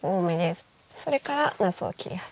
それからなすを切り始め。